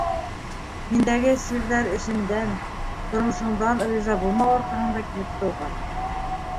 Һиндәге сирҙәр эшендән, тормошоңдан риза булмау арҡаһында килеп тыуған.